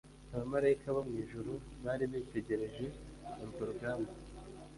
Abamarayika bo mw’ijuru bari bitegereje urwo rugamba